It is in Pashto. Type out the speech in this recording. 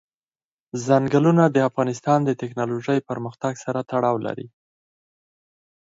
ځنګلونه د افغانستان د تکنالوژۍ پرمختګ سره تړاو لري.